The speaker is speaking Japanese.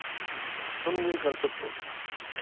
その上からちょっと。